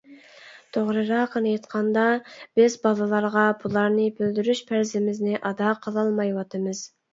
توغرىراقىنى ئېيتقاندا، بىز بالىلارغا بۇلارنى بىلدۈرۈش پەرىزىمىزنى ئادا قىلالمايۋاتىمىز.